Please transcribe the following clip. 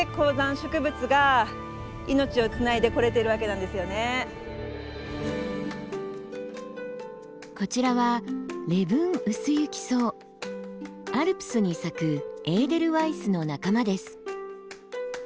なのでこちらはアルプスに咲くエーデルワイスの仲間です。